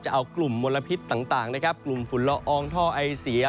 เอากลุ่มมลพิษต่างนะครับกลุ่มฝุ่นละอองท่อไอเสีย